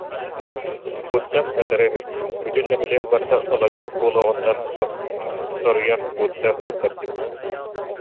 Бурцев этэрэ үһү: «Бүтүн нэһилиэк барыта Соловьев буолуоҕуттан соруйан Бурцев дэттэрдим»